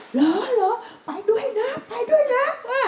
เหรอไปด้วยนะไปด้วยนะ